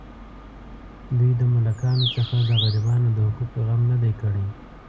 دوی د ملاکانو څخه د غریبانو د حقوقو غم نه دی کړی.